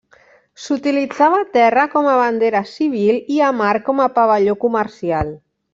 S'utilitzava a terra com a bandera civil i a mar com a pavelló comercial.